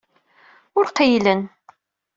Ur qeyylen.